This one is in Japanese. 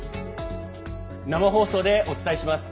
生放送でお伝えします。